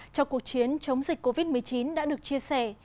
cho cuộc chiến chống dịch covid một mươi chín đã được chia sẻ